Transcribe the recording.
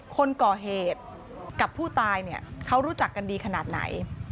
คนก่อเหตุกับผู้ตายเนี่ยเขารู้จักกันดีขนาดไหน